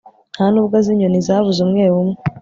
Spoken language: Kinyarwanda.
Ntanubwo azi inyoni zabuze umwe umwe